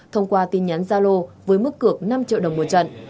thông qua tin nhắn gia lô với mức cược năm triệu đồng một trận